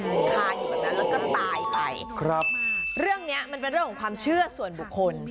มันก็ตายไปเรื่องนี้มันเป็นเรื่องของความเชื่อส่วนบุคคล